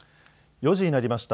４時になりました。